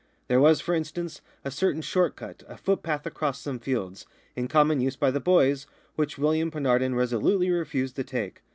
There was, for instance, a certain short cut, a footpath across some fields, in common use by the boys, which William Penarden resolutely refused to take.